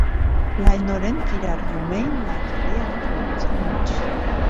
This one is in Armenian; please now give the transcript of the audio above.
Լայնորեն կիրառվում էին լաքերի արտադրության մեջ։